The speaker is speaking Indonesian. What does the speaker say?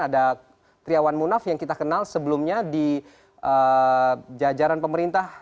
ada triawan munaf yang kita kenal sebelumnya di jajaran pemerintah